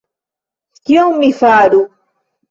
Kion mi faru?